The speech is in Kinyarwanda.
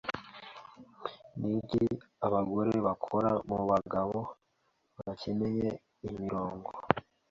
Niki abagore bakora mubagabo bakeneyeImirongo